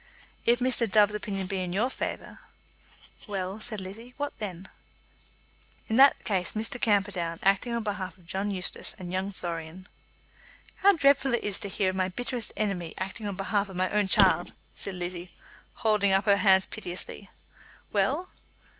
"If Mr. Dove's opinion be in your favour " "Well," said Lizzie, "what then?" "In that case Mr. Camperdown, acting on behalf of John Eustace and young Florian " "How dreadful it is to hear of my bitterest enemy acting on behalf of my own child!" said Lizzie, holding up her hands piteously. "Well?"